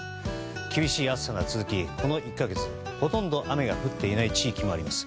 厳しい暑さが続き、この１か月ほとんど雨が降っていない地域もあります。